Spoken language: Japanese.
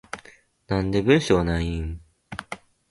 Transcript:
なんで文章ないん？